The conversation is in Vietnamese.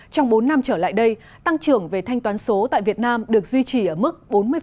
trong bốn năm trở lại đây tăng trưởng về thanh toán số tại việt nam được duy trì ở mức bốn mươi